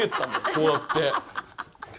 こうやって。